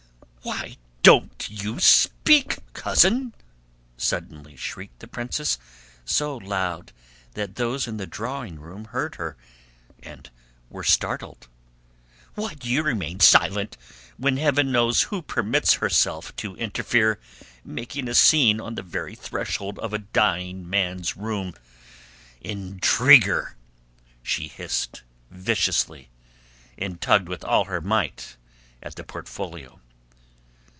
"Why don't you speak, cousin?" suddenly shrieked the princess so loud that those in the drawing room heard her and were startled. "Why do you remain silent when heaven knows who permits herself to interfere, making a scene on the very threshold of a dying man's room? Intriguer!" she hissed viciously, and tugged with all her might at the portfolio.